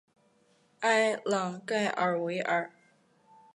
埃朗盖尔维尔。